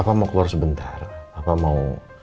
papa mau keluar sebentar papa mau